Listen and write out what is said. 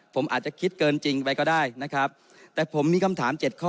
ผมอาจจะคิดเกินจริงไปก็ได้นะครับแต่ผมมีคำถามเจ็ดข้อ